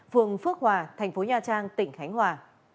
phường phước hòa tp nha trang tỉnh khánh hòa